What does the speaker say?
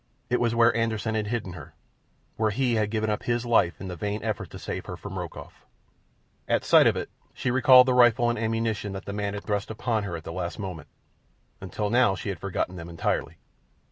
It was where Anderssen had hidden her—where he had given up his life in the vain effort to save her from Rokoff. At sight of it she recalled the rifle and ammunition that the man had thrust upon her at the last moment. Until now she had forgotten them entirely.